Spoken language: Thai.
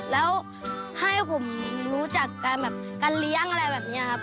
แล้วให้ผมรู้จักการแบบการเลี้ยงอะไรแบบนี้ครับ